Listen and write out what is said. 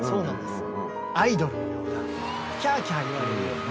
アイドルのようなキャーキャー言われるような。